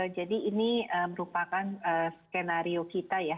jadi ini merupakan skenario kita ya